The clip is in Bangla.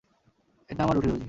এটা আমার রুটি-রুজি।